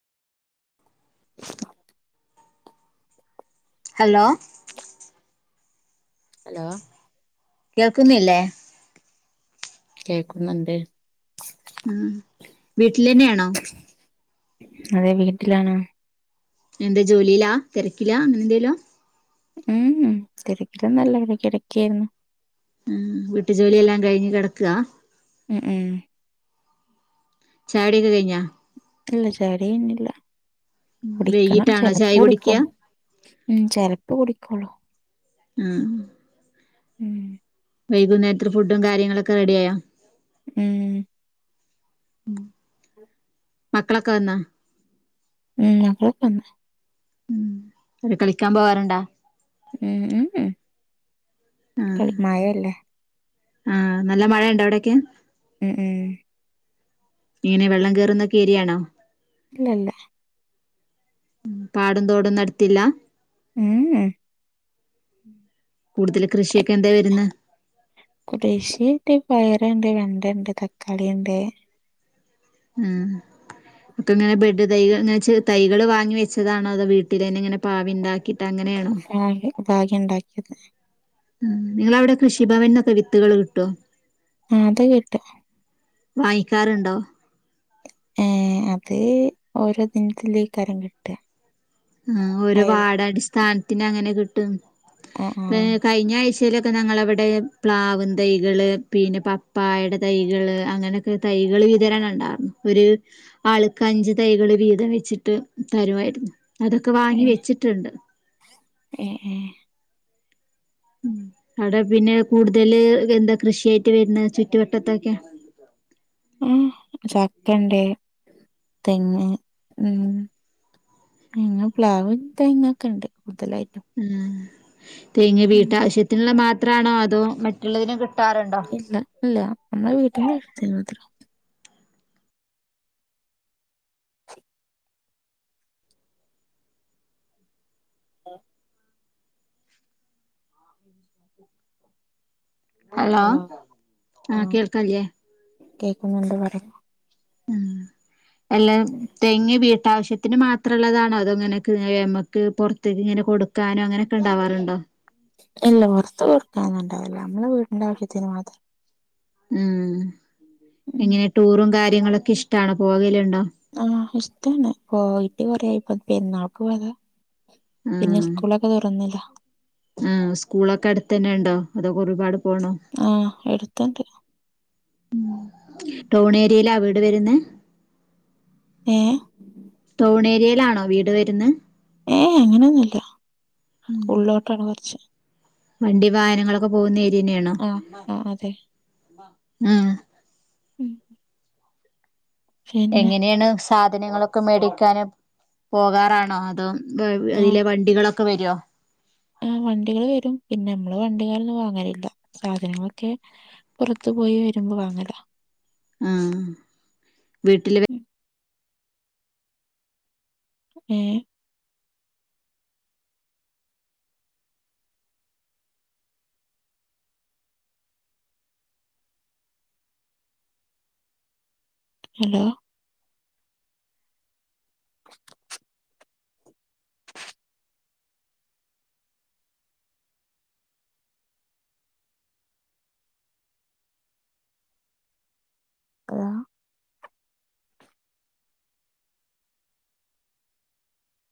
[inaudible] Hello hello കേൾക്ന്നില്ലേ കേക്കുന്ന്ണ്ട് മ് വീട്ടിലെന്നെയാണോ അതെ വീട്ടിലാണ് എന്താ ജോലിലാ തെരക്കിലാ അങ്ങനെ എന്തേലു. മ് മ് തിരക്കിലൊന്നെല്ല ഇവിടെ കിടക്കായിരുന്നു മ് വീട്ടു ജോലിയെല്ലാം കഴിഞ്ഞ് കെടക്കാ മ് മ് ചാടിയൊക്കെ കഴിഞ്ഞാ ഇല്ല ചാടി കയിഞ്ഞല്ല കുടിക്കണം വൈകീട്ടാണോ ചായ ചെലപ്പൊ കുടിക്കുക കുടിക്കോളൂ ഉം ചിലപ്പൊകുടിക്കോളൂ മ് മ് വൈകുന്നേരത്തിന് ഫുഡും കാര്യങ്ങളൊക്കെ റെഡിയായോ മ് ഉം മക്കളൊക്കെ വന്നാ മ് മക്കളൊക്കെ വന്ന് മ് ഓല് കളിക്കാൻ പോകാറുണ്ടാ മ് മ് മ്മ് ആഹ് കളി മയ അല്ലേ? ആഹ് നല്ല മഴയുണ്ടോ അവിടൊക്കെ? ഉം ഉം എങ്ങനെ വെള്ളം കയറുന്നൊക്കെ ഏരിയാണോ? അല്ലല്ല ഉം കാടും തോടും ഒന്നും അടുത്തില്ല. [unintelligible] കൂടുതല് കൃഷിയൊക്കെ എന്താ വരുന്നെ കൃഷി ഉണ്ട് പയറുണ്ട്, വെണ്ട ഉണ്ട്, തക്കാളി ഉണ്ട്. ഉം [inaudible] ഒക്കെ ഇങ്ങനെ ബെഡ് തൈകൾ എന്ന് വെച്ചാ തൈകള് വാങ്ങി വെച്ചതാണോ, അതോ വീട്ടിലന്നെ ഇങ്ങനെ പാവി ഉണ്ടാക്കിയിട്ട് അങ്ങനെയണോ?. ആഹ് പാകി ഉണ്ടാക്കിയത്. ഉം നിങ്ങളവിടെ കൃഷിഭവൻന്നൊക്കെ വിത്തുകള് കിട്ടോ. ആഹ് അത് കിട്ടും. വാങ്ങിക്കാറുണ്ടോ? ഏഹ് അത് ഓരോ ദിനത്തിലേക്ക് അരം കിട്ടുക. ആഹ് ഓരോ വാർഡ് അടിസ്ഥാനത്തിന് അങ്ങനെ കിട്ടും ആഹ് പി ആഹ് കൈ യിഞ്ഞാഴ്ചയിലൊക്കെ ഞങ്ങളവിടെ പ്ലാവും തൈകള് പിന്നെ പപ്പായേടെ തൈകള് അങ്ങനെ തൈകള് വിതരണം ഉണ്ടായിരുന്നു. ഒരു ആൾക്ക് അഞ്ചു തൈകള് വീതം വെച്ചിട്ട് തരുവായിരുന്നു അതൊക്കെ വാങ്ങി ഏഹ് വെച്ചിട്ടുണ്ട്. ഏഹ് ഏഹ് ഉം അവിടെ പിന്നെ കൂടുതല് എന്താ കൃഷിയായിട്ട് വരുന്നത് ചുറ്റുവട്ടത്തൊക്കെ? ഏഹ് ചക്കെയൊണ്ട്, തെങ്ങ്, ഉം പിന്നെ പ്ലാവ് തെങ്ങൊക്കെ ഉണ്ട് കൂടുതലായിട്ടും ഉം തെങ്ങ് ഉം വീട്ടാവശ്യത്തിനുള്ള മാത്രമാണോ, അതോ മറ്റുള്ളതിനും കിട്ടാറുണ്ടോ? ഇല്ല ഇല്ല നമ്മളെ വീട്ടിന്റെ ആവിശ്യത്തിനുമാത്രം. ആഹ് [unintelligible] ഹലോ ആഹ് കേക്കുന്നുണ്ട് പറയു അല്ലാ തെങ്ങ് വീട്ടാവശ്യ ത്തിന് മാത്രമുള്ളതാണോ അതോ ഇങ്ങനക്ക് ഏമക്ക് പുറത്തേക്ക് ഇങ്ങനെ കൊടുക്കാനോ അങ്ങനൊക്കെ ഉണ്ടാവാറുണ്ടോ? ഇല്ല പുറത്തു കൊടുക്കാനുണ്ടാവില്ല നമ്മടെ വീടിന്റെ ആവശ്യത്തിന് മാത്രം. ഉം ഉം എങ്ങനെ ടൂറും കാര്യങ്ങളൊക്കെ ഇഷ്ടാണോ പോകലുണ്ടോ? ആഹ് ഇഷ്ടാണ് പോയിട്ട് കൊറയായി ഇപ്പാ പെരുന്നാൾക്കു പോയതാ. പിന്നെ സ്കൂളൊക്കെ തുറന്നല്ലോ? ഉം സ്കൂളൊക്കെ അടുത്ത് തന്നെ ഉണ്ടോ അതൊ ഒരുപാട് പോണോ? ആഹ് എടുത്തണ്ട്. ഉം ടൗൺ ഏരിയയിലാ വീട് വരുന്നേ?. ഏഹ് ടൗൺ ഏരിയയിലാണോ വീട് വരുന്നത്. ഏ അങ്ങനെയൊന്നുല്ല ഉള്ളോട്ടാണ് കുറച്ച്. വണ്ടി വാഹനങ്ങളൊക്കെ പോകുന്ന ഏരിയ തന്നെയാണോ?. ആഹ് ആഹ് അതെ ഉം ഉം പിന്നെ എങ്ങനെയാണ് സാധനങ്ങളൊക്കെ മേടിക്കൻ പോകാറാണോ? അതോ ഇതിലെ വണ്ടികളൊക്കെ വരുവോ?. ആ് വണ്ടികള് വരും. പിന്നെ നമ്മള് വണ്ടി കാലൊന്നും വാങ്ങറില്ല. സാധനങ്ങളൊക്കെ പുറത്ത് പോയി വരുമ്പോ വാങ്ങല ആ വീട്ടില് വെറെ ഉം. ഏ ഹലോ ഹും അക്ക